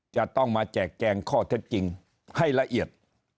จะต้องมาแจกแจงข้อเท็จจริงให้ละเอียด